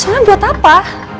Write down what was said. sebenarnya buat apa